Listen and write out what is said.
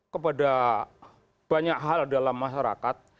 kepada banyak hal dalam masyarakat